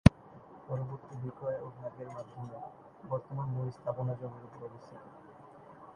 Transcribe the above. পরবর্তী বিক্রয় ও ভাগের মাধ্যমে, বর্তমান মূল স্থাপনা জমির উপর অবস্থিত।